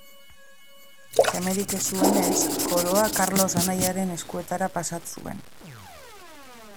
Semerik ez zuenez, koroa Karlos anaiaren eskuetara pasa zuen.